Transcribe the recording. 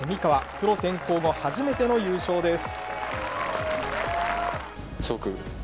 プロ転向後、初めての優勝です。